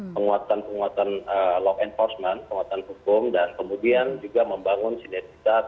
penguatan penguatan law enforcement penguatan hukum dan kemudian juga membangun sinergitas